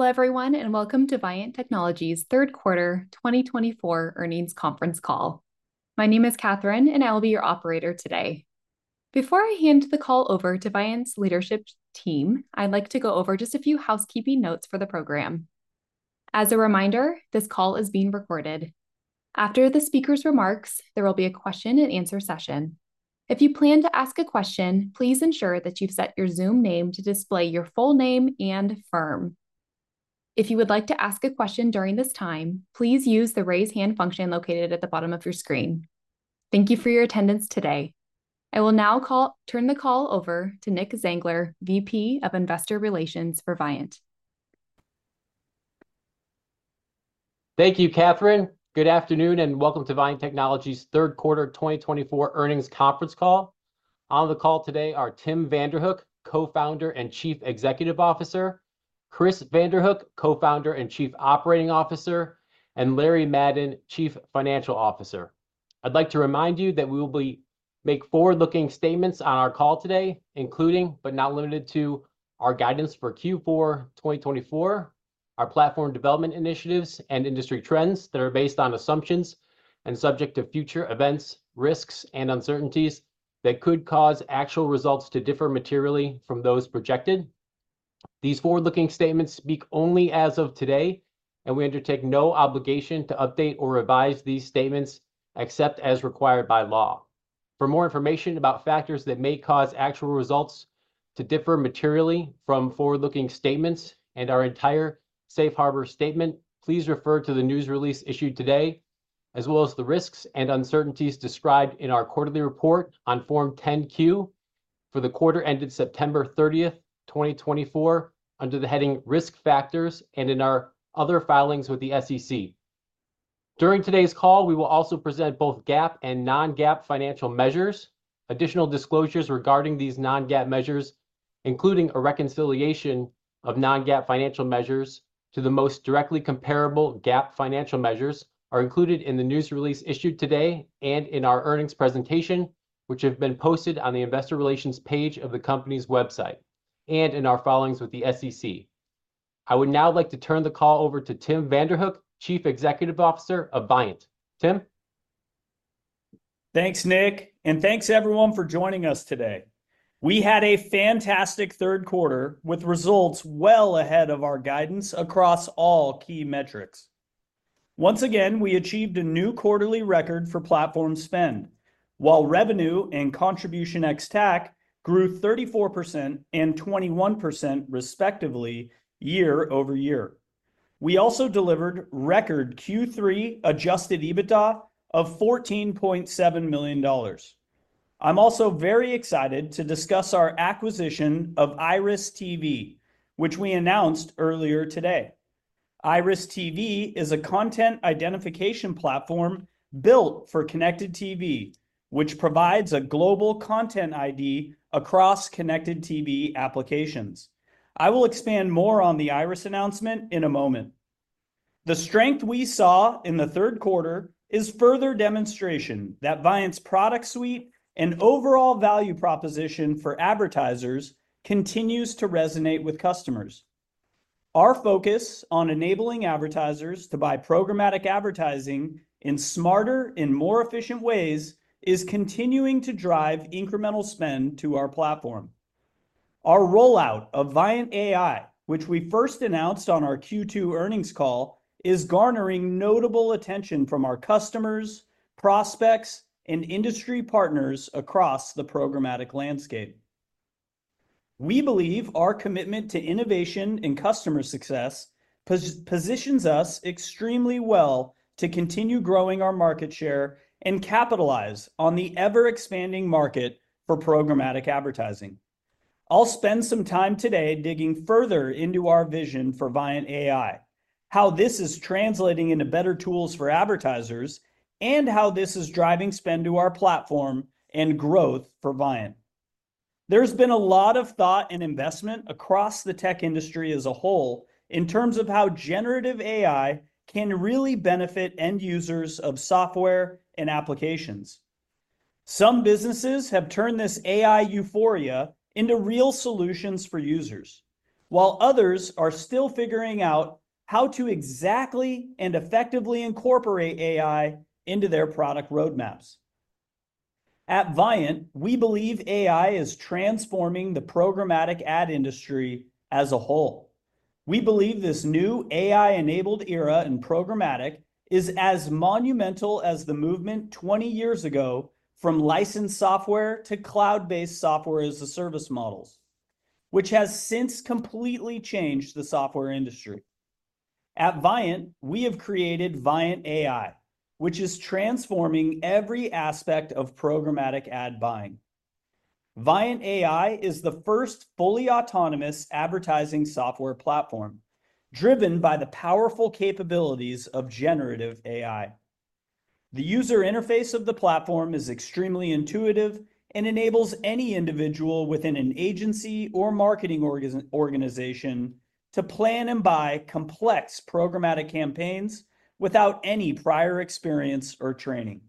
Hello, everyone, and welcome to Viant Technology's third quarter 2024 earnings conference call. My name is Kathryn, and I'll be your operator today. Before I hand the call over to Viant's leadership team, I'd like to go over just a few housekeeping notes for the program. As a reminder, this call is being recorded. After the speaker's remarks, there will be a question-and-answer session. If you plan to ask a question, please ensure that you've set your Zoom name to display your full name and firm. If you would like to ask a question during this time, please use the raise hand function located at the bottom of your screen. Thank you for your attendance today. I will now turn the call over to Nick Zangler, VP of Investor Relations for Viant. Thank you, Kathryn. Good afternoon, and welcome to Viant Technology's third quarter 2024 earnings conference call. On the call today are Tim Vanderhook, Co-founder and Chief Executive Officer, Chris Vanderhook, Co-founder and Chief Operating Officer, and Larry Madden, Chief Financial Officer. I'd like to remind you that we will make forward-looking statements on our call today, including, but not limited to, our guidance for Q4 2024, our platform development initiatives, and industry trends that are based on assumptions and subject to future events, risks, and uncertainties that could cause actual results to differ materially from those projected. These forward-looking statements speak only as of today, and we undertake no obligation to update or revise these statements except as required by law. For more information about factors that may cause actual results to differ materially from forward-looking statements and our entire Safe Harbor statement, please refer to the news release issued today, as well as the risks and uncertainties described in our quarterly report on Form 10-Q for the quarter ended September 30, 2024, under the heading Risk Factors and in our other filings with the SEC. During today's call, we will also present both GAAP and non-GAAP financial measures. Additional disclosures regarding these non-GAAP measures, including a reconciliation of non-GAAP financial measures to the most directly comparable GAAP financial measures, are included in the news release issued today and in our earnings presentation, which have been posted on the Investor Relations page of the company's website and in our filings with the SEC. I would now like to turn the call over to Tim Vanderhook, Chief Executive Officer of Viant. Tim. Thanks, Nick, and thanks, everyone, for joining us today. We had a fantastic third quarter with results well ahead of our guidance across all key metrics. Once again, we achieved a new quarterly record for platform spend, while revenue and contribution ex-TAC grew 34% and 21%, respectively, year over year. We also delivered record Q3 Adjusted EBITDA of $14.7 million. I'm also very excited to discuss our acquisition of IRIS.TV, which we announced earlier today. IRIS.TV is a content identification platform built for connected TV, which provides a global content ID across connected TV applications. I will expand more on the IRIS.TV announcement in a moment. The strength we saw in the third quarter is further demonstration that Viant's product suite and overall value proposition for advertisers continues to resonate with customers. Our focus on enabling advertisers to buy programmatic advertising in smarter and more efficient ways is continuing to drive incremental spend to our platform. Our rollout of Viant AI, which we first announced on our Q2 earnings call, is garnering notable attention from our customers, prospects, and industry partners across the programmatic landscape. We believe our commitment to innovation and customer success positions us extremely well to continue growing our market share and capitalize on the ever-expanding market for programmatic advertising. I'll spend some time today digging further into our vision for Viant AI, how this is translating into better tools for advertisers, and how this is driving spend to our platform and growth for Viant. There's been a lot of thought and investment across the tech industry as a whole in terms of how generative AI can really benefit end users of software and applications. Some businesses have turned this AI euphoria into real solutions for users, while others are still figuring out how to exactly and effectively incorporate AI into their product roadmaps. At Viant, we believe AI is transforming the programmatic ad industry as a whole. We believe this new AI-enabled era in programmatic is as monumental as the movement 20 years ago from licensed software to cloud-based software as a service models, which has since completely changed the software industry. At Viant, we have created Viant AI, which is transforming every aspect of programmatic ad buying. Viant AI is the first fully autonomous advertising software platform driven by the powerful capabilities of generative AI. The user interface of the platform is extremely intuitive and enables any individual within an agency or marketing organization to plan and buy complex programmatic campaigns without any prior experience or training.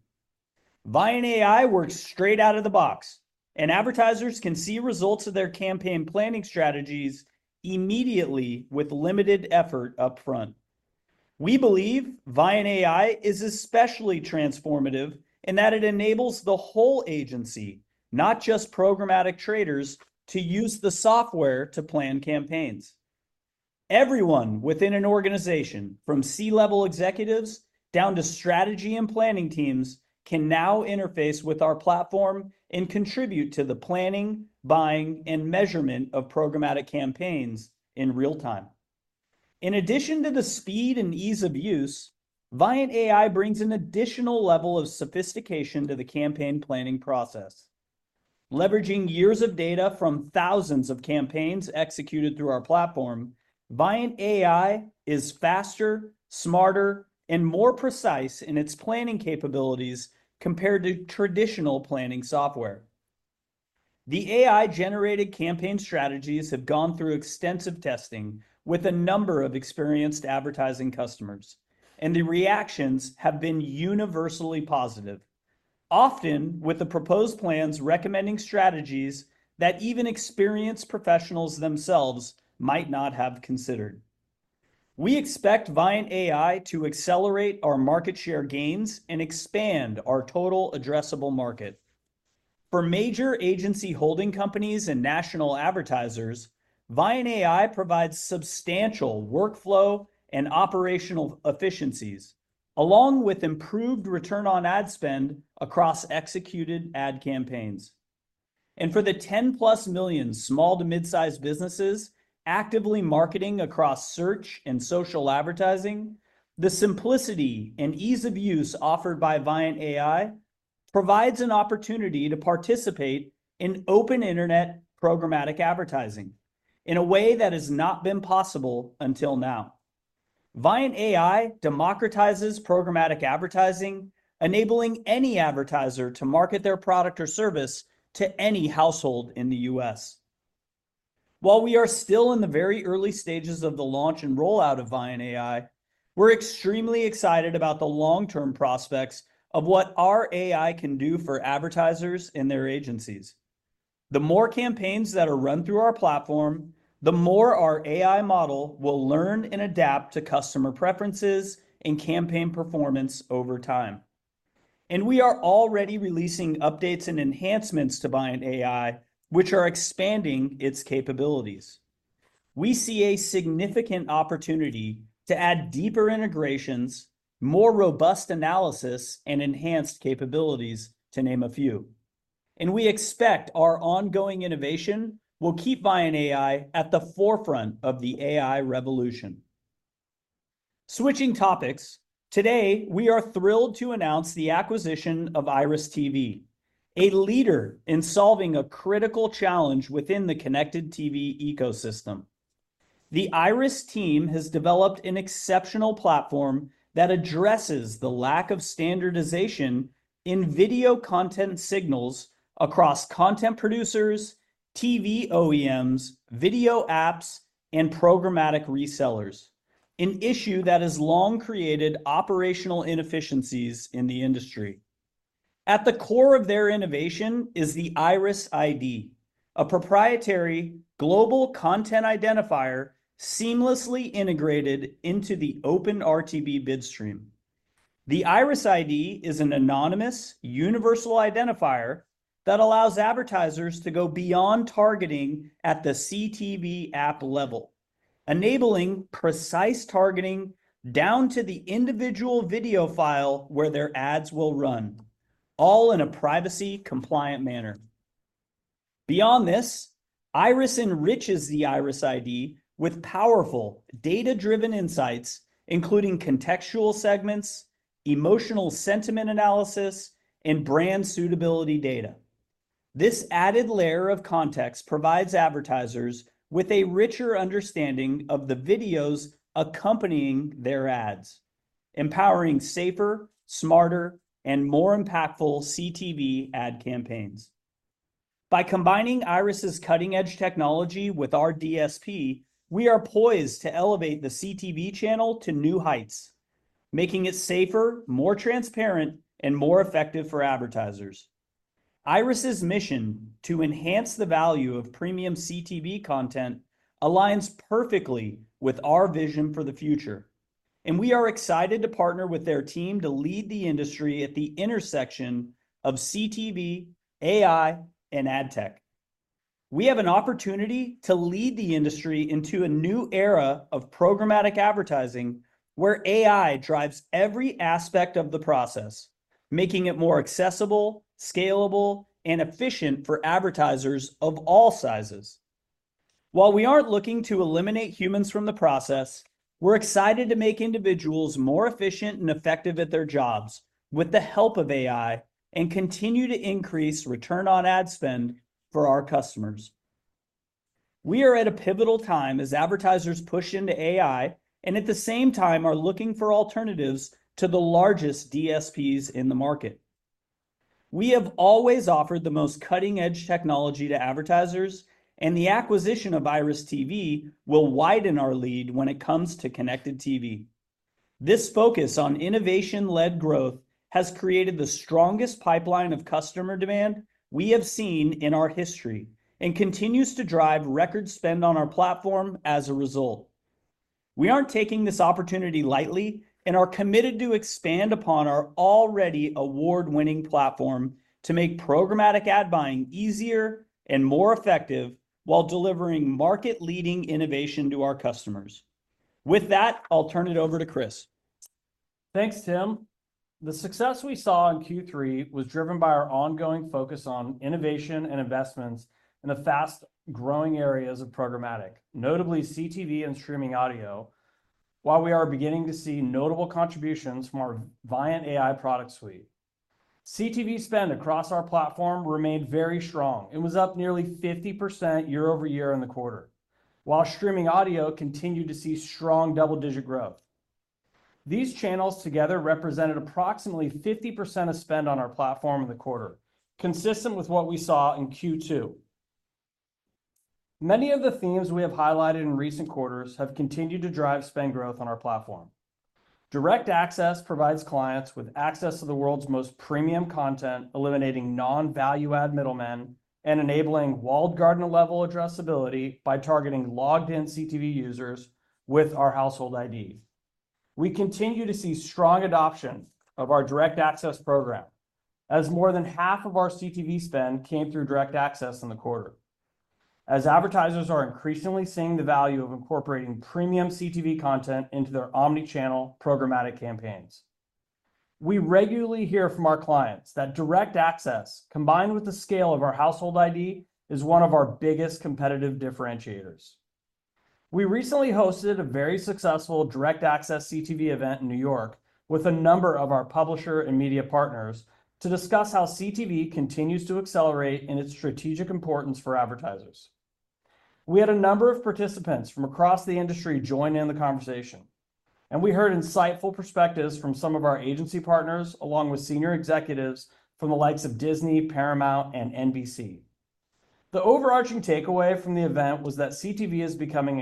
Viant AI works straight out of the box, and advertisers can see results of their campaign planning strategies immediately with limited effort upfront. We believe Viant AI is especially transformative in that it enables the whole agency, not just programmatic traders, to use the software to plan campaigns. Everyone within an organization, from C-level executives down to strategy and planning teams, can now interface with our platform and contribute to the planning, buying, and measurement of programmatic campaigns in real time. In addition to the speed and ease of use, Viant AI brings an additional level of sophistication to the campaign planning process. Leveraging years of data from thousands of campaigns executed through our platform, Viant AI is faster, smarter, and more precise in its planning capabilities compared to traditional planning software. The AI-generated campaign strategies have gone through extensive testing with a number of experienced advertising customers, and the reactions have been universally positive, often with the proposed plans recommending strategies that even experienced professionals themselves might not have considered. We expect Viant AI to accelerate our market share gains and expand our total addressable market. For major agency holding companies and national advertisers, Viant AI provides substantial workflow and operational efficiencies, along with improved return on ad spend across executed ad campaigns. And for the 10-plus million small to mid-sized businesses actively marketing across search and social advertising, the simplicity and ease of use offered by Viant AI provides an opportunity to participate in open internet programmatic advertising in a way that has not been possible until now. Viant AI democratizes programmatic advertising, enabling any advertiser to market their product or service to any household in the U.S. While we are still in the very early stages of the launch and rollout of Viant AI, we're extremely excited about the long-term prospects of what our AI can do for advertisers and their agencies. The more campaigns that are run through our platform, the more our AI model will learn and adapt to customer preferences and campaign performance over time. We are already releasing updates and enhancements to Viant AI, which are expanding its capabilities. We see a significant opportunity to add deeper integrations, more robust analysis, and enhanced capabilities, to name a few. We expect our ongoing innovation will keep Viant AI at the forefront of the AI revolution. Switching topics, today we are thrilled to announce the acquisition of IRIS.TV, a leader in solving a critical challenge within the Connected TV ecosystem. The IRIS team has developed an exceptional platform that addresses the lack of standardization in video content signals across content producers, TV OEMs, video apps, and programmatic resellers, an issue that has long created operational inefficiencies in the industry. At the core of their innovation is the IRIS ID, a proprietary global content identifier seamlessly integrated into the OpenRTB bid stream. The IRIS ID is an anonymous universal identifier that allows advertisers to go beyond targeting at the CTV app level, enabling precise targeting down to the individual video file where their ads will run, all in a privacy-compliant manner. Beyond this, IRIS enriches the IRIS ID with powerful data-driven insights, including contextual segments, emotional sentiment analysis, and brand suitability data. This added layer of context provides advertisers with a richer understanding of the videos accompanying their ads, empowering safer, smarter, and more impactful CTV ad campaigns. By combining IRIS.TV's cutting-edge technology with our DSP, we are poised to elevate the CTV channel to new heights, making it safer, more transparent, and more effective for advertisers. IRIS.TV's mission to enhance the value of premium CTV content aligns perfectly with our vision for the future, and we are excited to partner with their team to lead the industry at the intersection of CTV, AI, and ad tech. We have an opportunity to lead the industry into a new era of programmatic advertising where AI drives every aspect of the process, making it more accessible, scalable, and efficient for advertisers of all sizes. While we aren't looking to eliminate humans from the process, we're excited to make individuals more efficient and effective at their jobs with the help of AI and continue to increase return on ad spend for our customers. We are at a pivotal time as advertisers push into AI and at the same time are looking for alternatives to the largest DSPs in the market. We have always offered the most cutting-edge technology to advertisers, and the acquisition of IRIS.TV will widen our lead when it comes to connected TV. This focus on innovation-led growth has created the strongest pipeline of customer demand we have seen in our history and continues to drive record spend on our platform as a result. We aren't taking this opportunity lightly and are committed to expand upon our already award-winning platform to make programmatic ad buying easier and more effective while delivering market-leading innovation to our customers. With that, I'll turn it over to Chris. Thanks, Tim. The success we saw in Q3 was driven by our ongoing focus on innovation and investments in the fast-growing areas of programmatic, notably CTV and streaming audio, while we are beginning to see notable contributions from our Viant AI product suite. CTV spend across our platform remained very strong and was up nearly 50% year over year in the quarter, while streaming audio continued to see strong double-digit growth. These channels together represented approximately 50% of spend on our platform in the quarter, consistent with what we saw in Q2. Many of the themes we have highlighted in recent quarters have continued to drive spend growth on our platform. Direct Access provides clients with access to the world's most premium content, eliminating non-value-add middlemen and enabling walled garden-level addressability by targeting logged-in CTV users with our Household IDs. We continue to see strong adoption of our direct access program, as more than half of our CTV spend came through direct access in the quarter, as advertisers are increasingly seeing the value of incorporating premium CTV content into their omnichannel programmatic campaigns. We regularly hear from our clients that direct access, combined with the scale of our household ID, is one of our biggest competitive differentiators. We recently hosted a very successful direct access CTV event in New York with a number of our publisher and media partners to discuss how CTV continues to accelerate in its strategic importance for advertisers. We had a number of participants from across the industry join in the conversation, and we heard insightful perspectives from some of our agency partners, along with senior executives from the likes of Disney, Paramount, and NBC. The overarching takeaway from the event was that CTV is becoming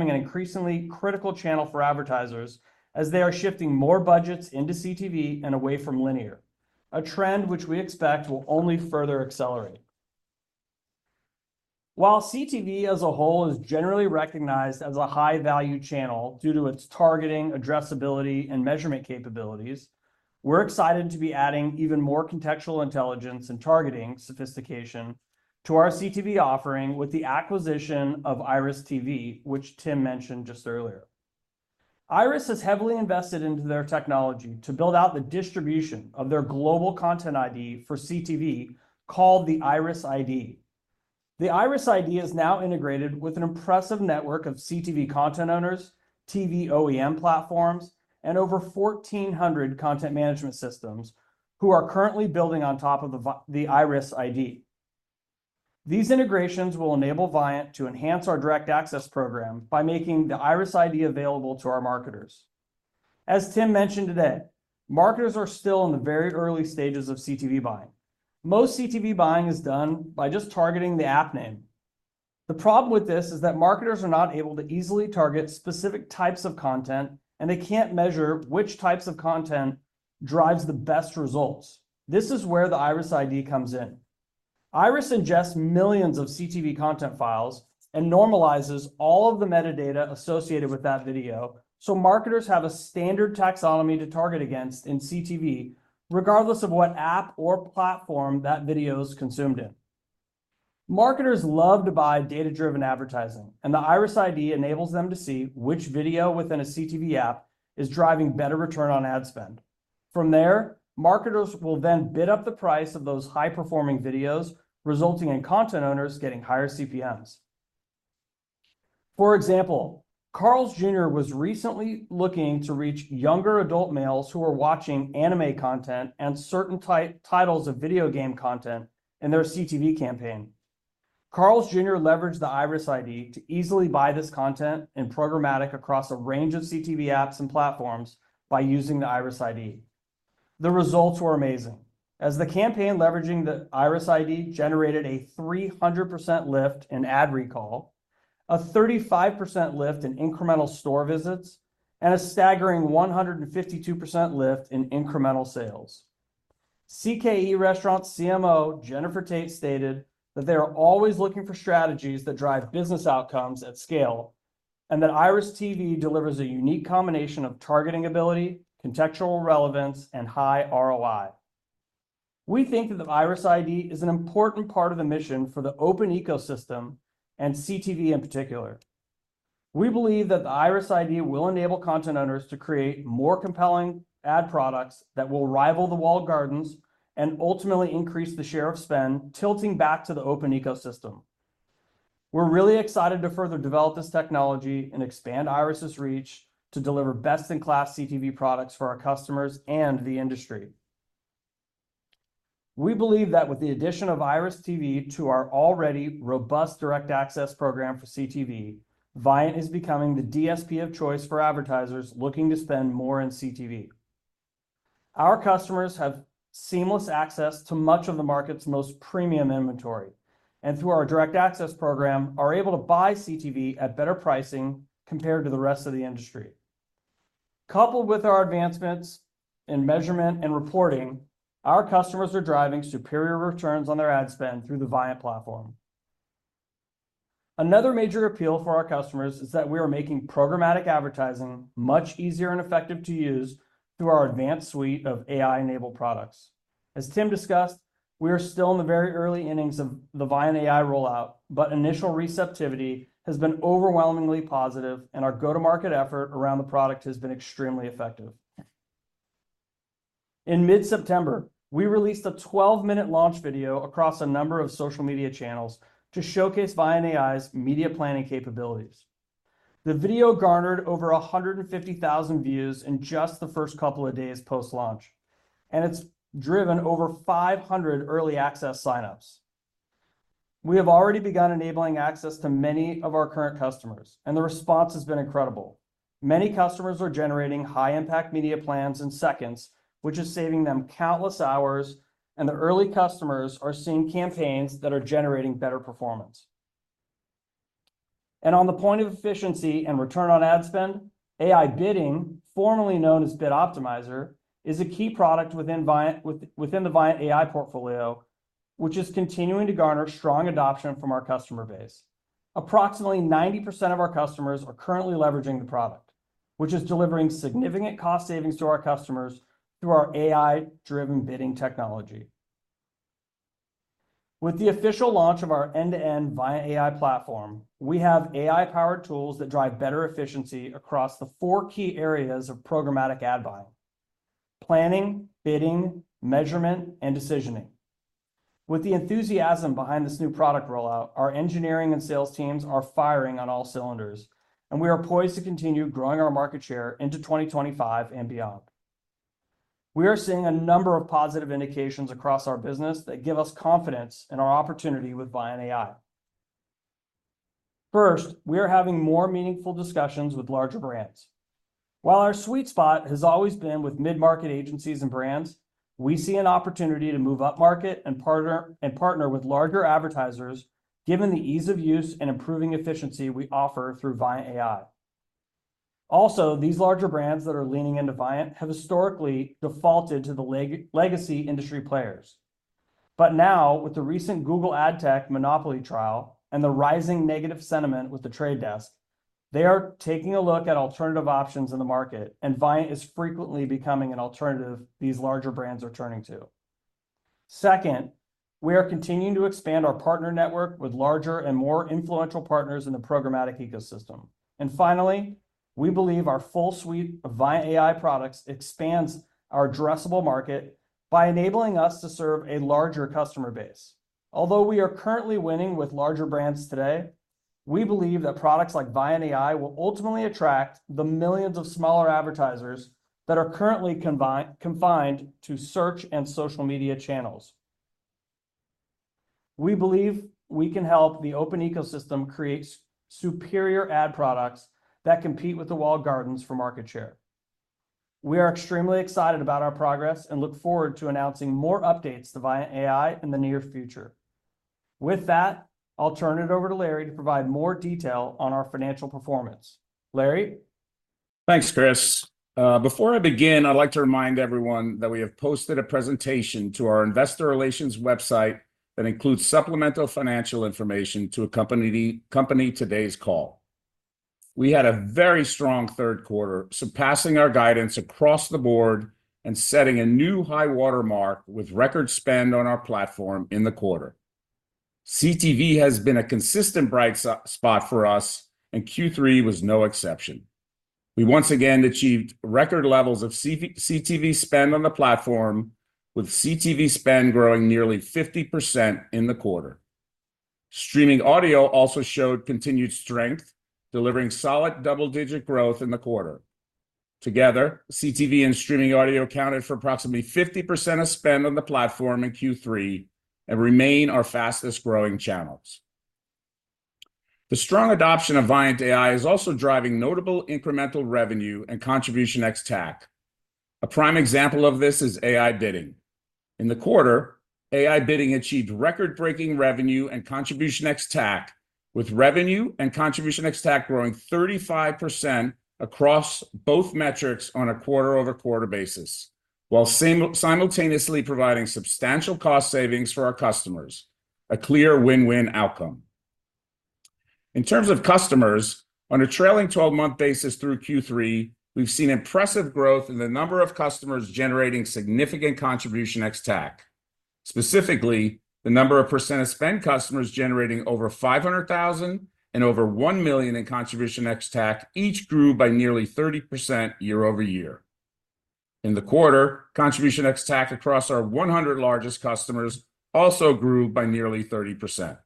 an increasingly critical channel for advertisers as they are shifting more budgets into CTV and away from linear, a trend which we expect will only further accelerate. While CTV as a whole is generally recognized as a high-value channel due to its targeting, addressability, and measurement capabilities, we're excited to be adding even more contextual intelligence and targeting sophistication to our CTV offering with the acquisition of IRIS.TV, which Tim mentioned just earlier. IRIS.TV has heavily invested into their technology to build out the distribution of their global content ID for CTV called the IRIS ID. The IRIS ID is now integrated with an impressive network of CTV content owners, TV OEM platforms, and over 1,400 content management systems who are currently building on top of the IRIS ID. These integrations will enable Viant to enhance our direct access program by making the IRIS ID available to our marketers. As Tim mentioned today, marketers are still in the very early stages of CTV buying. Most CTV buying is done by just targeting the app name. The problem with this is that marketers are not able to easily target specific types of content, and they can't measure which types of content drive the best results. This is where the IRIS ID comes in. IRIS ingests millions of CTV content files and normalizes all of the metadata associated with that video so marketers have a standard taxonomy to target against in CTV, regardless of what app or platform that video is consumed in. Marketers love to buy data-driven advertising, and the IRIS ID enables them to see which video within a CTV app is driving better return on ad spend. From there, marketers will then bid up the price of those high-performing videos, resulting in content owners getting higher CPMs. For example, Carl's Jr. was recently looking to reach younger adult males who are watching anime content and certain titles of video game content in their CTV campaign. Carl's Jr. leveraged the IRIS ID to easily buy this content and programmatic across a range of CTV apps and platforms by using the IRIS ID. The results were amazing, as the campaign leveraging the IRIS ID generated a 300% lift in ad recall, a 35% lift in incremental store visits, and a staggering 152% lift in incremental sales. CKE Restaurants' CMO, Jennifer Tate, stated that they are always looking for strategies that drive business outcomes at scale and that IRIS.TV delivers a unique combination of targeting ability, contextual relevance, and high ROI. We think that the IRIS ID is an important part of the mission for the open ecosystem and CTV in particular. We believe that the IRIS ID will enable content owners to create more compelling ad products that will rival the walled gardens and ultimately increase the share of spend tilting back to the open ecosystem. We're really excited to further develop this technology and expand IRIS.TV's reach to deliver best-in-class CTV products for our customers and the industry. We believe that with the addition of IRIS.TV to our already robust Direct Access program for CTV, Viant is becoming the DSP of choice for advertisers looking to spend more in CTV. Our customers have seamless access to much of the market's most premium inventory and, through our Direct Access program, are able to buy CTV at better pricing compared to the rest of the industry. Coupled with our advancements in measurement and reporting, our customers are driving superior returns on their ad spend through the Viant platform. Another major appeal for our customers is that we are making programmatic advertising much easier and effective to use through our advanced suite of AI-enabled products. As Tim discussed, we are still in the very early innings of the Viant AI rollout, but initial receptivity has been overwhelmingly positive, and our go-to-market effort around the product has been extremely effective. In mid-September, we released a 12-minute launch video across a number of social media channels to showcase Viant AI's media planning capabilities. The video garnered over 150,000 views in just the first couple of days post-launch, and it's driven over 500 early access signups. We have already begun enabling access to many of our current customers, and the response has been incredible. Many customers are generating high-impact media plans in seconds, which is saving them countless hours, and the early customers are seeing campaigns that are generating better performance, and on the point of efficiency and return on ad spend, AI bidding, formerly known as Bid Optimizer, is a key product within the Viant AI portfolio, which is continuing to garner strong adoption from our customer base. Approximately 90% of our customers are currently leveraging the product, which is delivering significant cost savings to our customers through our AI-driven bidding technology. With the official launch of our end-to-end Viant AI platform, we have AI-powered tools that drive better efficiency across the four key areas of programmatic ad buying: planning, bidding, measurement, and decisioning. With the enthusiasm behind this new product rollout, our engineering and sales teams are firing on all cylinders, and we are poised to continue growing our market share into 2025 and beyond. We are seeing a number of positive indications across our business that give us confidence in our opportunity with Viant AI. First, we are having more meaningful discussions with larger brands. While our sweet spot has always been with mid-market agencies and brands, we see an opportunity to move upmarket and partner with larger advertisers, given the ease of use and improving efficiency we offer through Viant AI. Also, these larger brands that are leaning into Viant have historically defaulted to the legacy industry players. But now, with the recent Google ad tech monopoly trial and the rising negative sentiment with The Trade Desk, they are taking a look at alternative options in the market, and Viant is frequently becoming an alternative these larger brands are turning to. Second, we are continuing to expand our partner network with larger and more influential partners in the programmatic ecosystem. And finally, we believe our full suite of Viant AI products expands our addressable market by enabling us to serve a larger customer base. Although we are currently winning with larger brands today, we believe that products like Viant AI will ultimately attract the millions of smaller advertisers that are currently confined to search and social media channels. We believe we can help the open ecosystem create superior ad products that compete with the walled gardens for market share. We are extremely excited about our progress and look forward to announcing more updates to Viant AI in the near future. With that, I'll turn it over to Larry to provide more detail on our financial performance. Larry? Thanks, Chris. Before I begin, I'd like to remind everyone that we have posted a presentation to our investor relations website that includes supplemental financial information to accompany today's call. We had a very strong third quarter, surpassing our guidance across the board and setting a new high watermark with record spend on our platform in the quarter. CTV has been a consistent bright spot for us, and Q3 was no exception. We once again achieved record levels of CTV spend on the platform, with CTV spend growing nearly 50% in the quarter. Streaming audio also showed continued strength, delivering solid double-digit growth in the quarter. Together, CTV and streaming audio accounted for approximately 50% of spend on the platform in Q3 and remain our fastest-growing channels. The strong adoption of Viant AI is also driving notable incremental revenue and contribution ex-TAC. A prime example of this is AI Bidding. In the quarter, AI Bidding achieved record-breaking revenue and Contribution ex-TAC, with revenue and Contribution ex-TAC growing 35% across both metrics on a quarter-over-quarter basis, while simultaneously providing substantial cost savings for our customers, a clear win-win outcome. In terms of customers, on a trailing 12-month basis through Q3, we've seen impressive growth in the number of customers generating significant Contribution ex-TAC. Specifically, the number of percent of spend customers generating over $500,000 and over $1 million in Contribution ex-TAC each grew by nearly 30% year over year. In the quarter, Contribution ex-TAC across our 100 largest customers also grew by nearly 30%.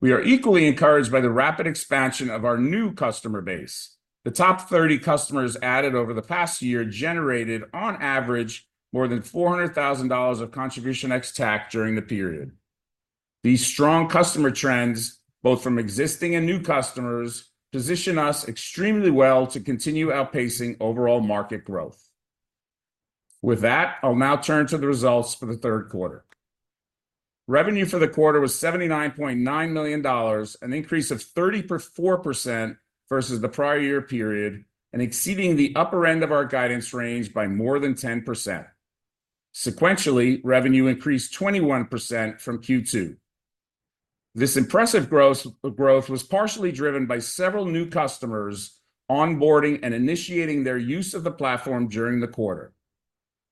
We are equally encouraged by the rapid expansion of our new customer base. The top 30 customers added over the past year generated, on average, more than $400,000 of Contribution ex-TAC during the period. These strong customer trends, both from existing and new customers, position us extremely well to continue outpacing overall market growth. With that, I'll now turn to the results for the third quarter. Revenue for the quarter was $79.9 million, an increase of 34% versus the prior year period, and exceeding the upper end of our guidance range by more than 10%. Sequentially, revenue increased 21% from Q2. This impressive growth was partially driven by several new customers onboarding and initiating their use of the platform during the quarter.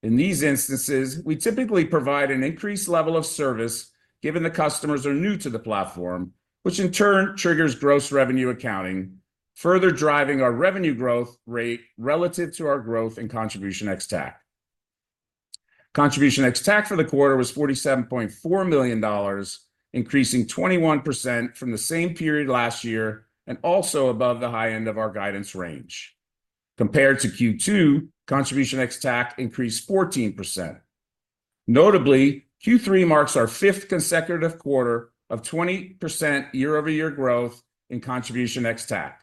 In these instances, we typically provide an increased level of service given the customers are new to the platform, which in turn triggers Gross Revenue Accounting, further driving our revenue growth rate relative to our growth in contribution ex-TAC. Contribution ex-TAC for the quarter was $47.4 million, increasing 21% from the same period last year and also above the high end of our guidance range. Compared to Q2, contribution ex-TAC increased 14%. Notably, Q3 marks our fifth consecutive quarter of 20% year-over-year growth in contribution ex-TAC.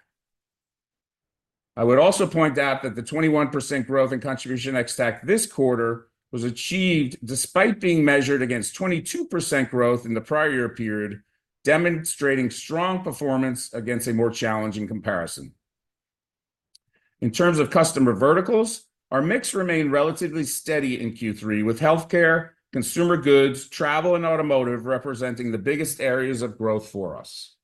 I would also point out that the 21% growth in contribution ex-TAC this quarter was achieved despite being measured against 22% growth in the prior year period, demonstrating strong performance against a more challenging comparison. In terms of customer verticals, our mix remained relatively steady in Q3, with healthcare, consumer goods, travel, and automotive representing the biggest areas of growth for us.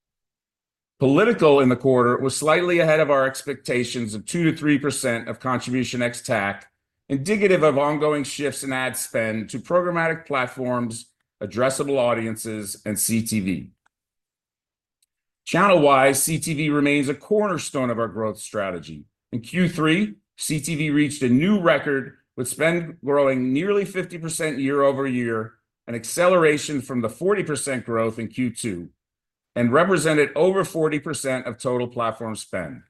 Political in the quarter was slightly ahead of our expectations of 2%-3% of contribution ex-TAC, indicative of ongoing shifts in ad spend to programmatic platforms, addressable audiences, and CTV. Channel-wise, CTV remains a cornerstone of our growth strategy. In Q3, CTV reached a new record with spend growing nearly 50% year-over-year, an acceleration from the 40% growth in Q2, and represented over 40% of total platform spend.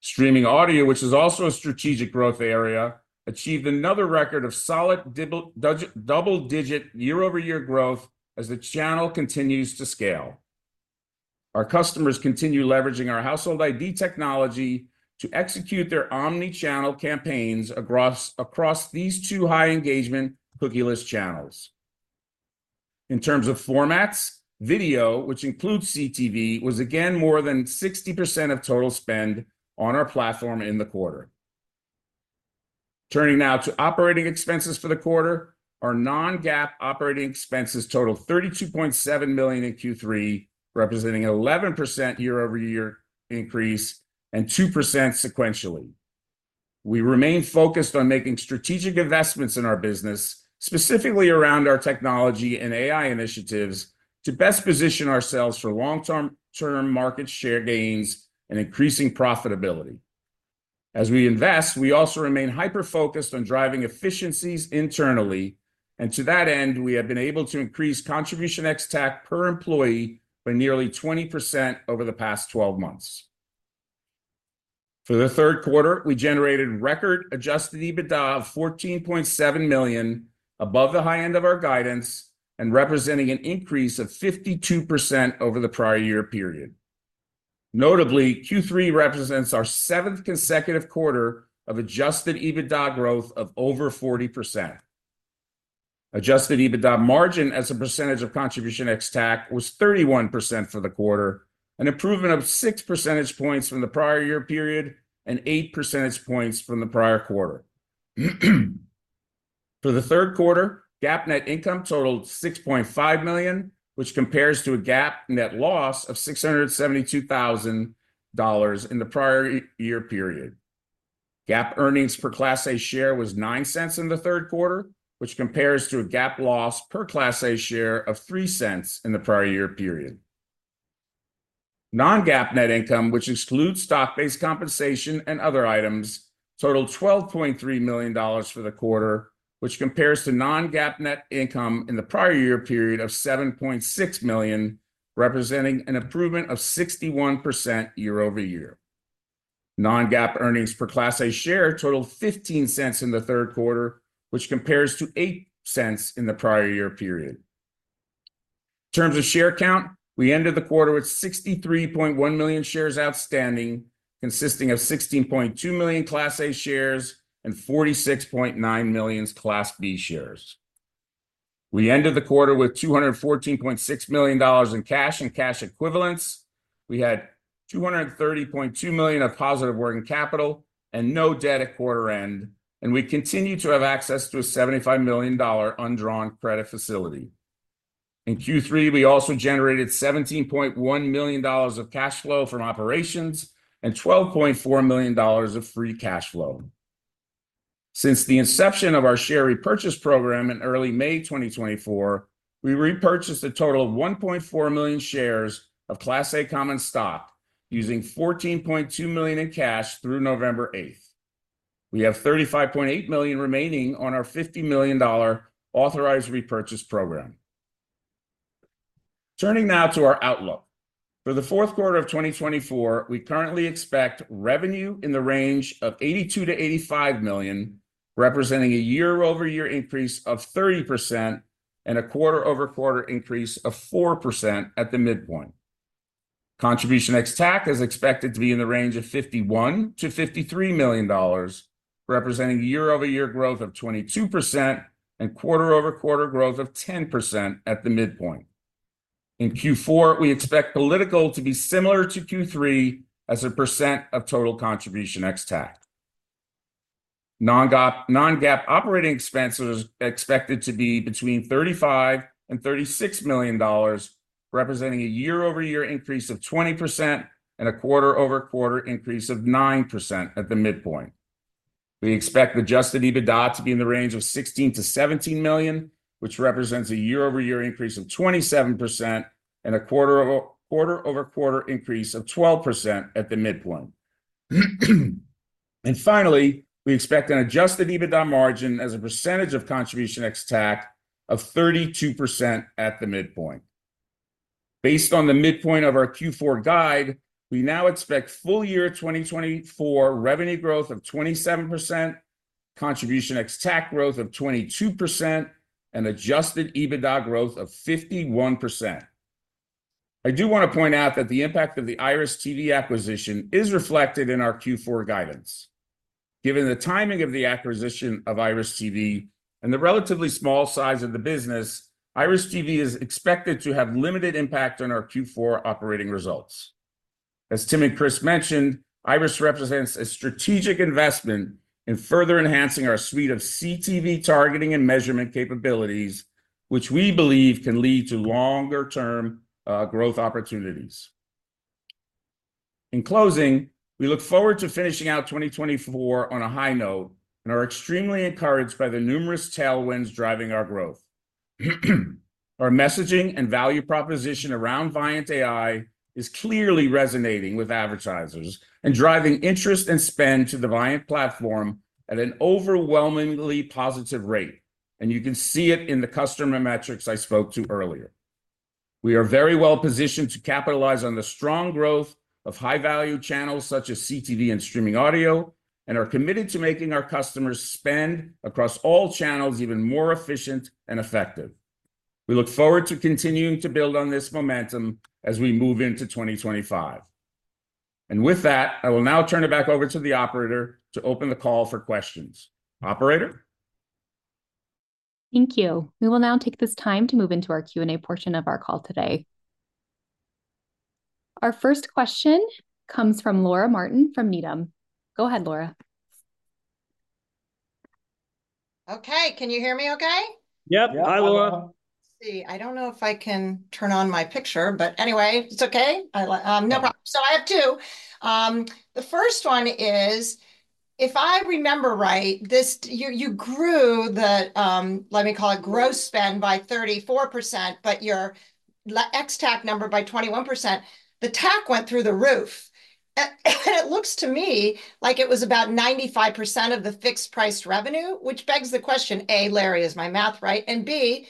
Streaming audio, which is also a strategic growth area, achieved another record of solid double-digit year-over-year growth as the channel continues to scale. Our customers continue leveraging our Household ID technology to execute their omnichannel campaigns across these two high-engagement cookieless channels. In terms of formats, video, which includes CTV, was again more than 60% of total spend on our platform in the quarter. Turning now to operating expenses for the quarter, our non-GAAP operating expenses totaled $32.7 million in Q3, representing an 11% year-over-year increase and 2% sequentially. We remain focused on making strategic investments in our business, specifically around our technology and AI initiatives, to best position ourselves for long-term market share gains and increasing profitability. As we invest, we also remain hyper-focused on driving efficiencies internally, and to that end, we have been able to increase contribution ex-TAC per employee by nearly 20% over the past 12 months. For the third quarter, we generated record Adjusted EBITDA of $14.7 million, above the high end of our guidance and representing an increase of 52% over the prior year period. Notably, Q3 represents our seventh consecutive quarter of Adjusted EBITDA growth of over 40%. Adjusted EBITDA margin as a percentage of contribution ex-TAC was 31% for the quarter, an improvement of 6 percentage points from the prior year period and 8 percentage points from the prior quarter. For the third quarter, GAAP net income totaled $6.5 million, which compares to a GAAP net loss of $672,000 in the prior year period. GAAP earnings per Class A share was $0.09 in the third quarter, which compares to a GAAP loss per Class A share of $0.03 in the prior year period. Non-GAAP net income, which excludes stock-based compensation and other items, totaled $12.3 million for the quarter, which compares to non-GAAP net income in the prior year period of $7.6 million, representing an improvement of 61% year-over-year. Non-GAAP earnings per Class A share totaled $0.15 in the third quarter, which compares to $0.08 in the prior year period. In terms of share count, we ended the quarter with 63.1 million shares outstanding, consisting of 16.2 million Class A shares and 46.9 million Class B shares. We ended the quarter with $214.6 million in cash and cash equivalents. We had $230.2 million of positive working capital and no debt at quarter end, and we continue to have access to a $75 million undrawn credit facility. In Q3, we also generated $17.1 million of cash flow from operations and $12.4 million of free cash flow. Since the inception of our share repurchase program in early May 2024, we repurchased a total of 1.4 million shares of Class A common stock, using $14.2 million in cash through November 8th. We have $35.8 million remaining on our $50 million authorized repurchase program. Turning now to our outlook. For the fourth quarter of 2024, we currently expect revenue in the range of $82-$85 million, representing a year-over-year increase of 30% and a quarter-over-quarter increase of 4% at the midpoint. Contribution ex-TAC is expected to be in the range of $51-$53 million, representing year-over-year growth of 22% and quarter-over-quarter growth of 10% at the midpoint. In Q4, we expect political to be similar to Q3 as a percent of total contribution ex-TAC. Non-GAAP operating expenses are expected to be between $35 and $36 million, representing a year-over-year increase of 20% and a quarter-over-quarter increase of 9% at the midpoint. We expect Adjusted EBITDA to be in the range of $16-$17 million, which represents a year-over-year increase of 27% and a quarter-over-quarter increase of 12% at the midpoint. And finally, we expect an Adjusted EBITDA margin as a percentage of contribution ex-TAC of 32% at the midpoint. Based on the midpoint of our Q4 guide, we now expect full year 2024 revenue growth of 27%, contribution ex-TAC growth of 22%, and Adjusted EBITDA growth of 51%. I do want to point out that the impact of the IRIS.TV acquisition is reflected in our Q4 guidance. Given the timing of the acquisition of IRIS.TV and the relatively small size of the business, IRIS.TV is expected to have limited impact on our Q4 operating results. As Tim and Chris mentioned, IRIS.TV represents a strategic investment in further enhancing our suite of CTV targeting and measurement capabilities, which we believe can lead to longer-term growth opportunities. In closing, we look forward to finishing out 2024 on a high note and are extremely encouraged by the numerous tailwinds driving our growth. Our messaging and value proposition around Viant AI is clearly resonating with advertisers and driving interest and spend to the Viant platform at an overwhelmingly positive rate, and you can see it in the customer metrics I spoke to earlier. We are very well positioned to capitalize on the strong growth of high-value channels such as CTV and streaming audio, and are committed to making our customers' spend across all channels even more efficient and effective. We look forward to continuing to build on this momentum as we move into 2025. And with that, I will now turn it back over to the operator to open the call for questions. Operator? Thank you. We will now take this time to move into our Q&A portion of our call today. Our first question comes from Laura Martin from Needham. Go ahead, Laura. Okay, can you hear me okay? Yep, hi, Laura. Let's see, I don't know if I can turn on my picture, but anyway, it's okay. No problem. So I have two. The first one is, if I remember right, you grew the, let me call it, gross spend by 34%, but your ex-TAC number by 21%. The TAC went through the roof. And it looks to me like it was about 95% of the fixed-price revenue, which begs the question, A, Larry is my math right, and B,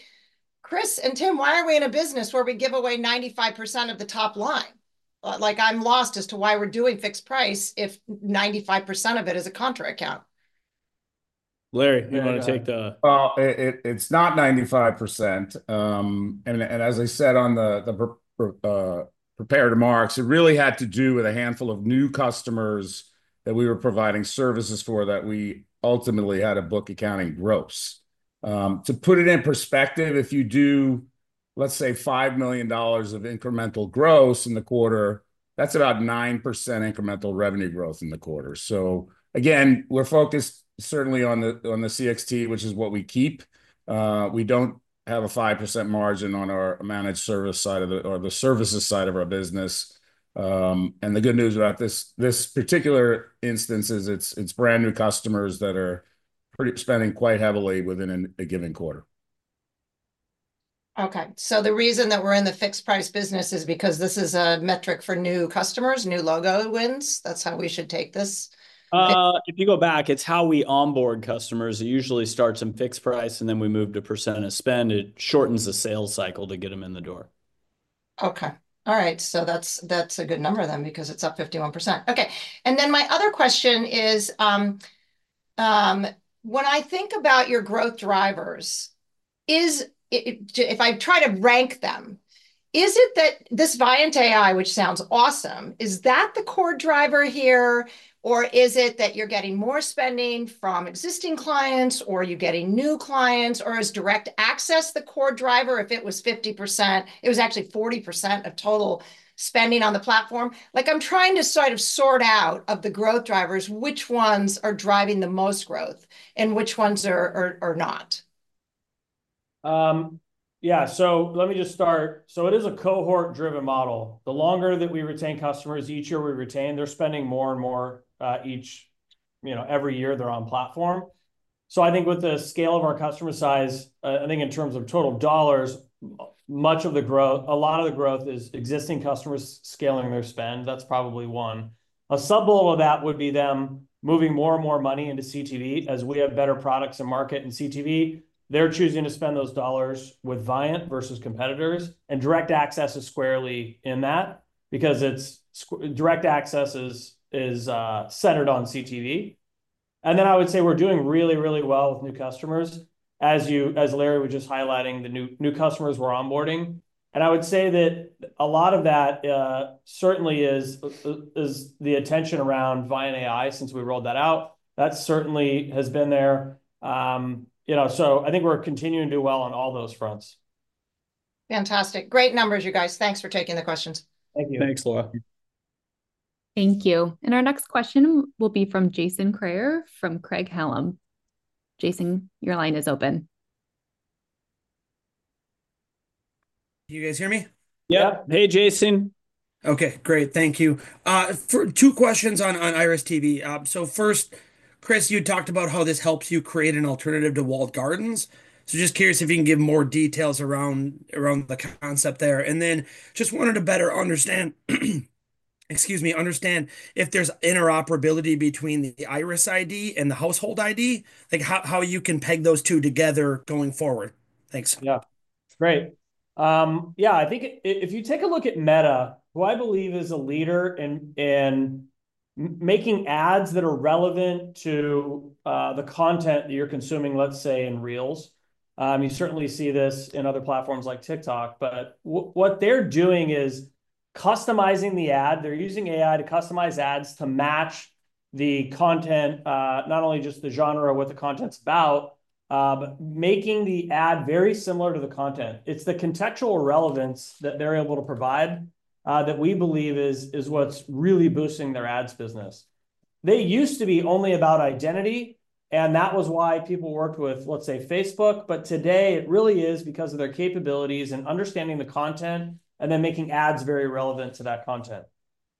Chris and Tim, why are we in a business where we give away 95% of the top line? Like I'm lost as to why we're doing fixed price if 95% of it is a contra account. Larry, you want to take the... Well, it's not 95%. And as I said on the prepared remarks, it really had to do with a handful of new customers that we were providing services for that we ultimately had to book accounting gross. To put it in perspective, if you do, let's say, $5 million of incremental gross in the quarter, that's about 9% incremental revenue growth in the quarter. So again, we're focused certainly on the CTV, which is what we keep. We don't have a 5% margin on our managed service side of the services side of our business. And the good news about this particular instance is it's brand new customers that are spending quite heavily within a given quarter. Okay, so the reason that we're in the fixed-price business is because this is a metric for new customers, new logo wins. That's how we should take this. If you go back, it's how we onboard customers. It usually starts in fixed price, and then we move to percent of spend. It shortens the sales cycle to get them in the door. Okay, all right. So that's a good number then because it's up 51%. Okay, and then my other question is, when I think about your growth drivers, if I try to rank them, is it that this Viant AI, which sounds awesome, is that the core driver here, or is it that you're getting more spending from existing clients, or are you getting new clients, or is Direct Access the core driver if it was 50%? It was actually 40% of total spending on the platform. Like I'm trying to sort of sort out of the growth drivers, which ones are driving the most growth and which ones are not. Yeah, so let me just start. So it is a cohort-driven model. The longer that we retain customers, each year we retain, they're spending more and more each, you know, every year they're on platform. I think with the scale of our customer size, I think in terms of total dollars, much of the growth, a lot of the growth is existing customers scaling their spend. That's probably one. A sub-bullet of that would be them moving more and more money into CTV. As we have better products and marketing in CTV, they're choosing to spend those dollars with Viant versus competitors, and Direct Access is squarely in that because Direct Access is centered on CTV. And then I would say we're doing really, really well with new customers, as you, as Larry was just highlighting, the new customers we're onboarding. And I would say that a lot of that certainly is the attention around Viant AI since we rolled that out. That certainly has been there. You know, so I think we're continuing to do well on all those fronts. Fantastic. Great numbers, you guys. Thanks for taking the questions. Thank you. Thanks, Laura. Thank you. Our next question will be from Jason Kreyer from Craig-Hallum. Jason, your line is open. Can you guys hear me? Yep. Hey, Jason. Okay, great. Thank you. Two questions on IRIS. TV. So first, Chris, you talked about how this helps you create an alternative to walled gardens. So just curious if you can give more details around the concept there. And then just wanted to better understand, excuse me, understand if there's interoperability between the IRIS ID and the Household ID, like how you can peg those two together going forward. Thanks. Yeah, great. Yeah, I think if you take a look at Meta, who I believe is a leader in making ads that are relevant to the content that you're consuming, let's say, in Reels, you certainly see this in other platforms like TikTok, but what they're doing is customizing the ad. They're using AI to customize ads to match the content, not only just the genre of what the content's about, but making the ad very similar to the content. It's the contextual relevance that they're able to provide that we believe is what's really boosting their ads business. They used to be only about identity, and that was why people worked with, let's say, Facebook, but today it really is because of their capabilities and understanding the content and then making ads very relevant to that content.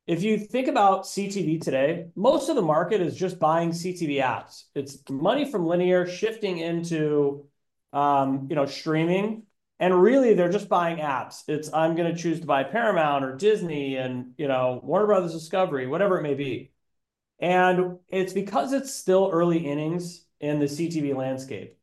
If you think about CTV today, most of the market is just buying CTV apps. It's money from linear shifting into, you know, streaming, and really they're just buying apps. It's, I'm going to choose to buy Paramount or Disney and, you know, Warner Bros. Discovery, whatever it may be. And it's because it's still early innings in the CTV landscape.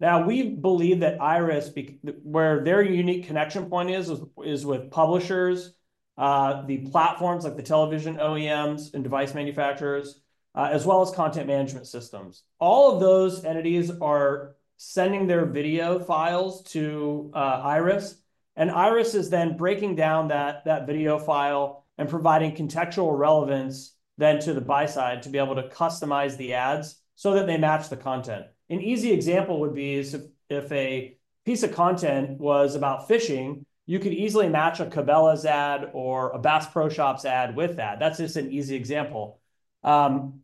Now, we believe that IRIS.TV, where their unique connection point is, is with publishers, the platforms like the television OEMs and device manufacturers, as well as content management systems. All of those entities are sending their video files to IRIS.TV, and IRIS.TV is then breaking down that video file and providing contextual relevance then to the buy side to be able to customize the ads so that they match the content. An easy example would be if a piece of content was about fishing, you could easily match a Cabela's ad or a Bass Pro Shops' ad with that. That's just an easy example.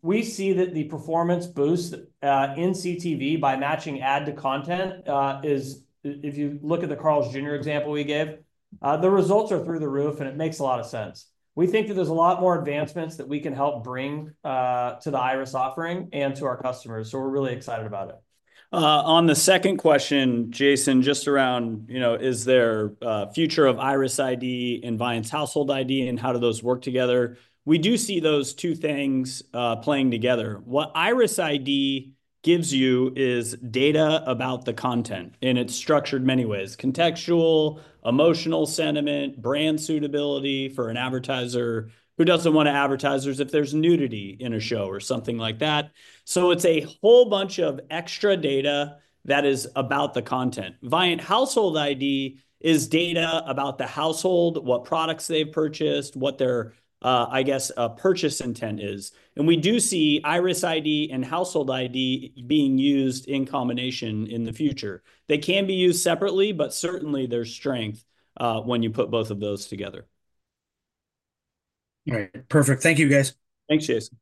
We see that the performance boost in CTV by matching ad to content is, if you look at the Carl's Jr. example we gave, the results are through the roof and it makes a lot of sense. We think that there's a lot more advancements that we can help bring to the IRIS offering and to our customers. So we're really excited about it. On the second question, Jason, just around, you know, is there a future of IRIS ID and Viant's Household ID and how do those work together? We do see those two things playing together. What IRIS ID gives you is data about the content, and it's structured many ways: contextual, emotional sentiment, brand suitability for an advertiser who doesn't want advertisers if there's nudity in a show or something like that. So it's a whole bunch of extra data that is about the content. Viant Household ID is data about the household, what products they've purchased, what their, I guess, purchase intent is. And we do see IRIS ID and Household ID being used in combination in the future. They can be used separately, but certainly there's strength when you put both of those together. All right, perfect. Thank you, guys. Thanks, Jason.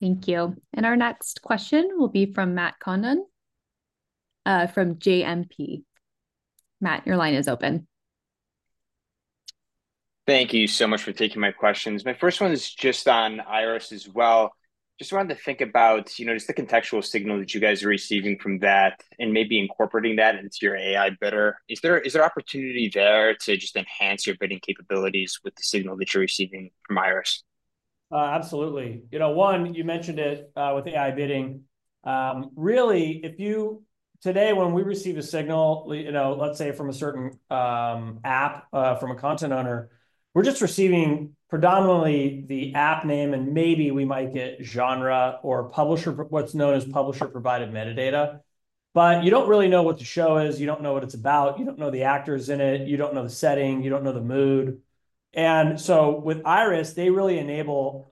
Thank you. And our next question will be from Matt Condon from JMP. Matt, your line is open. Thank you so much for taking my questions. My first one is just on IRIS as well. Just wanted to think about, you know, just the contextual signal that you guys are receiving from that and maybe incorporating that into your AI bidder. Is there opportunity there to just enhance your bidding capabilities with the signal that you're receiving from IRIS? Absolutely. You know, one, you mentioned it with AI bidding. Really, if you today, when we receive a signal, you know, let's say from a certain app, from a content owner, we're just receiving predominantly the app name and maybe we might get genre or publisher, what's known as publisher-provided metadata. But you don't really know what the show is, you don't know what it's about, you don't know the actors in it, you don't know the setting, you don't know the mood. And so with IRIS, they really enable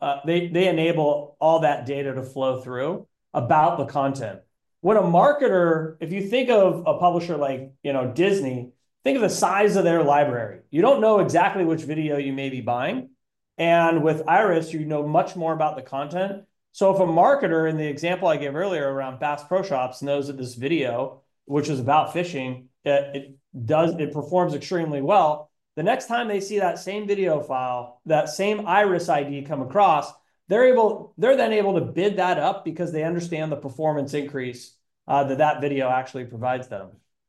all that data to flow through about the content. When a marketer, if you think of a publisher like, you know, Disney, think of the size of their library. You don't know exactly which video you may be buying. And with IRIS, you know much more about the content. So if a marketer, in the example I gave earlier around Bass Pro Shops, knows that this video, which is about fishing, it performs extremely well, the next time they see that same video file, that same IRIS ID come across, they're able, they're then able to bid that up because they understand the performance increase that that video actually provides them.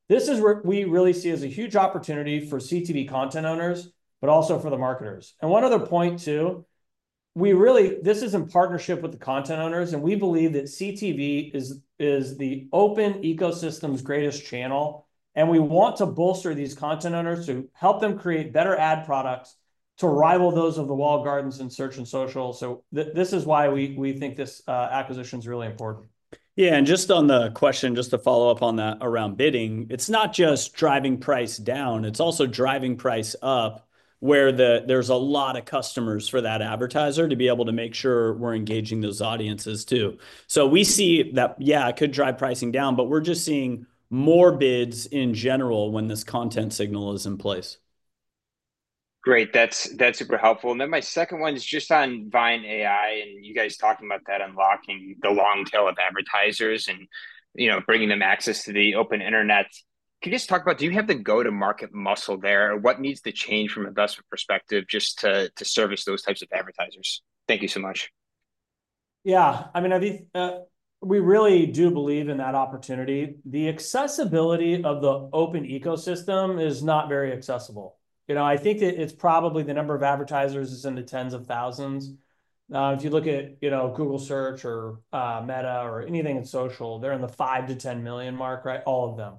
This is what we really see as a huge opportunity for CTV content owners, but also for the marketers. And one other point too, we really, this is in partnership with the content owners, and we believe that CTV is the open ecosystem's greatest channel, and we want to bolster these content owners to help them create better ad products to rival those of the walled gardens and search and social. So this is why we think this acquisition is really important. Yeah, and just on the question, just to follow up on that around bidding, it's not just driving price down, it's also driving price up where there's a lot of customers for that advertiser to be able to make sure we're engaging those audiences too. So we see that, yeah, it could drive pricing down, but we're just seeing more bids in general when this content signal is in place. Great, that's super helpful. Then my second one is just on Viant AI and you guys talking about that unlocking the long tail of advertisers and, you know, bringing them access to the open internet. Can you just talk about, do you have the go-to-market muscle there? What needs to change from a investment perspective just to service those types of advertisers? Thank you so much. Yeah, I mean, we really do believe in that opportunity. The accessibility of the open ecosystem is not very accessible. You know, I think that it's probably the number of advertisers is in the tens of thousands. If you look at, you know, Google Search or Meta or anything in social, they're in the 5-10 million mark, right? All of them.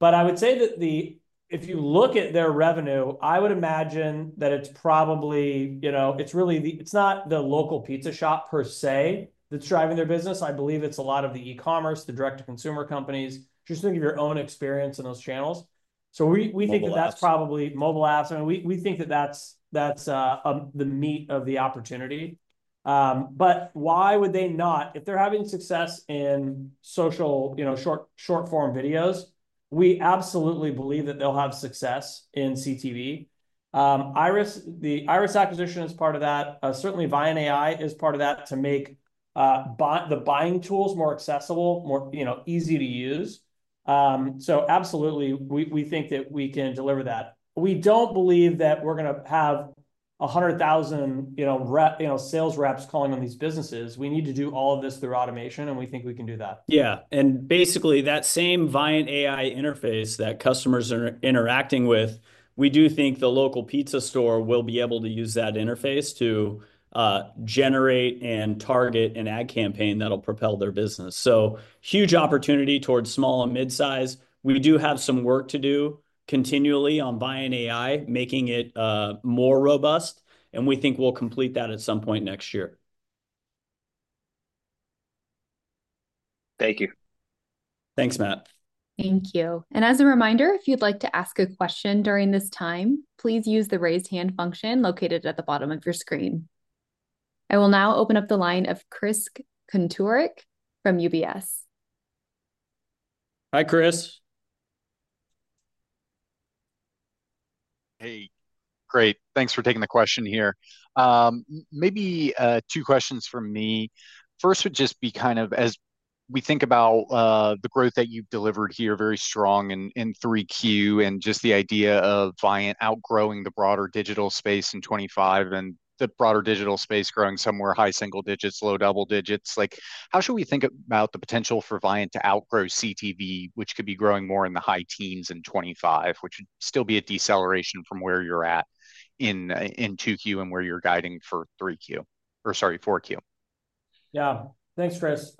But I would say that if you look at their revenue, I would imagine that it's probably, you know, it's really the, it's not the local pizza shop per se that's driving their business. I believe it's a lot of the e-commerce, the direct-to-consumer companies, just think of your own experience in those channels. So we think that that's probably mobile apps. I mean, we think that that's the meat of the opportunity. But why would they not, if they're having success in social, you know, short-form videos, we absolutely believe that they'll have success in CTV. IRIS.TV, the IRIS.TV acquisition is part of that. Certainly, Viant AI is part of that to make the buying tools more accessible, more, you know, easy to use. So absolutely, we think that we can deliver that. We don't believe that we're going to have 100,000, you know, sales reps calling on these businesses. We need to do all of this through automation, and we think we can do that. Yeah, and basically that same Viant AI interface that customers are interacting with, we do think the local pizza store will be able to use that interface to generate and target an ad campaign that'll propel their business. So huge opportunity towards small and mid-size. We do have some work to do continually on Viant AI, making it more robust, and we think we'll complete that at some point next year. Thank you. Thanks, Matt. Thank you. And as a reminder, if you'd like to ask a question during this time, please use the raise hand function located at the bottom of your screen. I will now open up the line of Chris Kuntarich from UBS. Hi, Chris. Hey, great. Thanks for taking the question here. Maybe two questions for me. First would just be kind of as we think about the growth that you've delivered here, very strong in 3Q and just the idea of Viant outgrowing the broader digital space in 2025 and the broader digital space growing somewhere high single digits, low double digits. Like how should we think about the potential for Viant to outgrow CTV, which could be growing more in the high teens in 2025, which would still be a deceleration from where you're at in 2Q and where you're guiding for 3Q or sorry, 4Q? Yeah, thanks, Chris.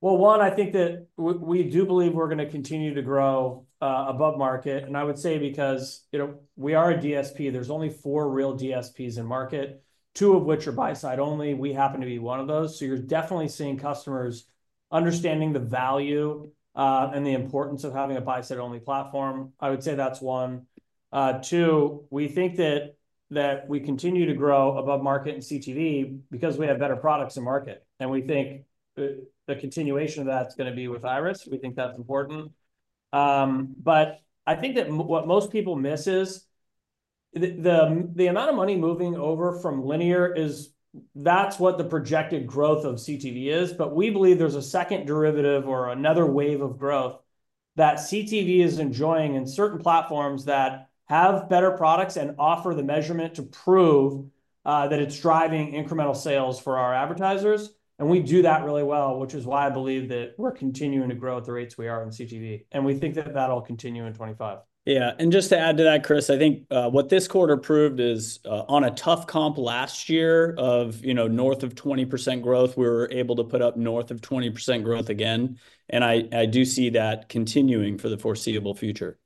Well, one, I think that we do believe we're going to continue to grow above market. And I would say because, you know, we are a DSP, there's only four real DSPs in market, two of which are buy-side only. We happen to be one of those. So you're definitely seeing customers understanding the value and the importance of having a buy-side only platform. I would say that's one. Two, we think that we continue to grow above market in CTV because we have better products in market. And we think the continuation of that's going to be with IRIS. We think that's important. But I think that what most people miss is the amount of money moving over from linear. That's what the projected growth of CTV is. But we believe there's a second derivative or another wave of growth that CTV is enjoying in certain platforms that have better products and offer the measurement to prove that it's driving incremental sales for our advertisers. And we do that really well, which is why I believe that we're continuing to grow at the rates we are in CTV. And we think that that'll continue in 2025. Yeah. And just to add to that, Chris, I think what this quarter proved is on a tough comp last year of, you know, north of 20% growth, we were able to put up north of 20% growth again. And I do see that continuing for the foreseeable future.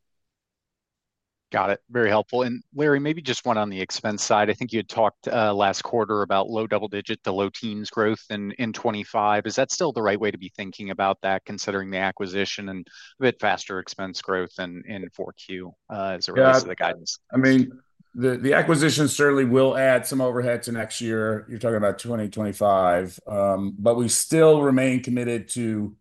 Got it. Very helpful. And Larry, maybe just one on the expense side. I think you had talked last quarter about low double digit, the low teens growth in 2025. Is that still the right way to be thinking about that, considering the acquisition and a bit faster expense growth in 4Q as it relates to the guidance? I mean, the acquisition certainly will add some overhead to next year. You're talking about 2025, but we still remain committed to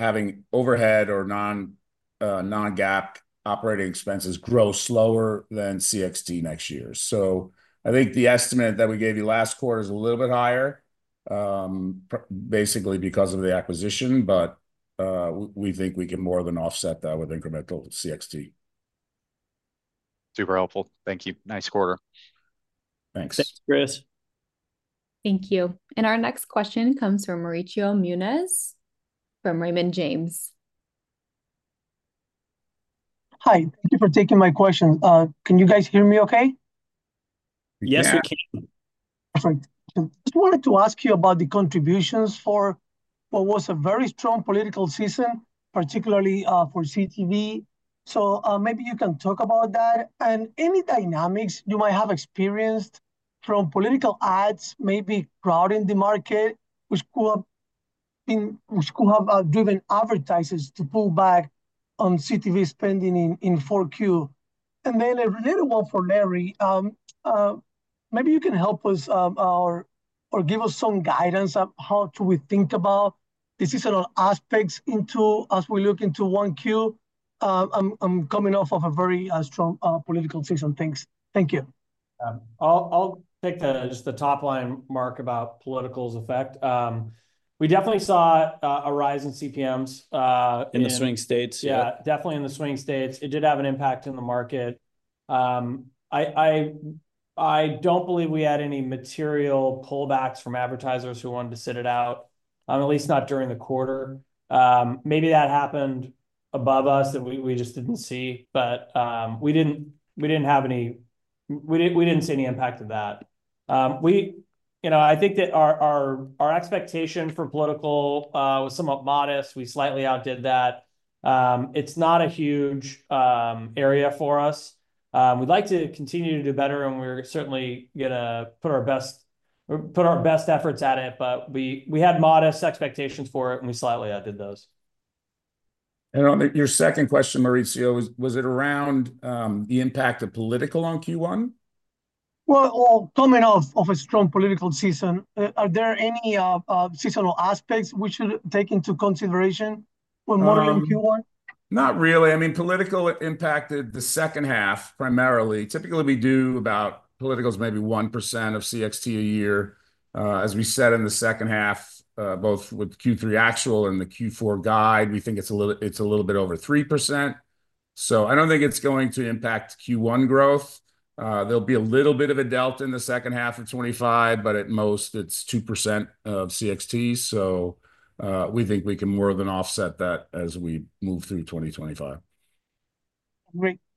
having overhead or non-GAAP operating expenses grow slower than CXT next year. So I think the estimate that we gave you last quarter is a little bit higher, basically because of the acquisition, but we think we can more than offset that with incremental CXT. Super helpful. Thank you. Nice quarter. Thanks. Thanks, Chris. Thank you. And our next question comes from Mauricio Munoz from Raymond James. Hi. Thank you for taking my question. Can you guys hear me okay? Yes, we can. Perfect. Just wanted to ask you about the contributions for what was a very strong political season, particularly for CTV. So maybe you can talk about that and any dynamics you might have experienced from political ads, maybe crowding the market, which could have driven advertisers to pull back on CTV spending in 4Q. Then a little one for Larry. Maybe you can help us or give us some guidance on how to rethink about the seasonal aspects as we look into 1Q. I'm coming off of a very strong political season. Thanks. Thank you. I'll take just the top line, Mark, about political effect. We definitely saw a rise in CPMs in the swing states. Yeah, definitely in the swing states. It did have an impact in the market. I don't believe we had any material pullbacks from advertisers who wanted to sit it out, at least not during the quarter. Maybe that happened above us that we just didn't see, but we didn't have any, we didn't see any impact of that. You know, I think that our expectation for political was somewhat modest. We slightly outdid that. It's not a huge area for us. We'd like to continue to do better, and we're certainly going to put our best efforts at it, but we had modest expectations for it, and we slightly outdid those, And your second question, Mauricio, was it around the impact of political on Q1? Well, coming off of a strong political season, are there any seasonal aspects we should take into consideration when modeling Q1? Not really. I mean, political impacted the second half primarily. Typically, we do about political is maybe 1% of CXT a year. As we said in the second half, both with Q3 actual and the Q4 guide, we think it's a little bit over 3%. So I don't think it's going to impact Q1 growth. There'll be a little bit of a delta in the second half of 2025, but at most it's 2% of CXT. So we think we can more than offset that as we move through 2025. Great.